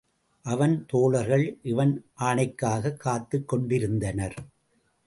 அவன் தோழர்கள் இவன் ஆணைக்காகக் காத்துக் கொண்டிருந்தனர்.